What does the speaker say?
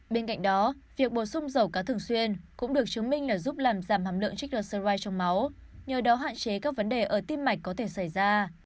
bên cạnh đó việc bổ sung dầu cá thường xuyên cũng được chứng minh là giúp làm giảm hàm lượng trích đoạn sovi trong máu nhờ đó hạn chế các vấn đề ở tim mạch có thể xảy ra